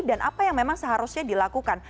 dan apa yang memang seharusnya dilakukan